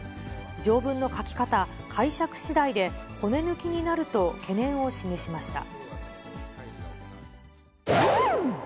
条文の書き方、解釈しだいで、骨抜きになると懸念を示しました。